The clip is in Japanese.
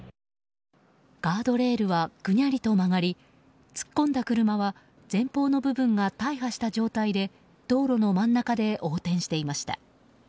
ガードレールはぐにゃりと曲がり突っ込んだ車は前方の部分が大破した状態で道路の真ん中で横転していました。